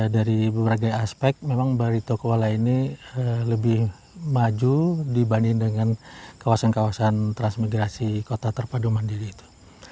dari berbagai aspek memang baritokuala ini lebih maju dibanding dengan kawasan kawasan transmigrasi kota terpadu mandiri itu